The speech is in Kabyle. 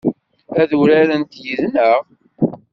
Ad urarent yid-neɣ?